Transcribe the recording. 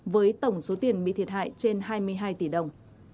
với tổng số tiền bị thiệt hại trên hai mươi hai tỷ đồng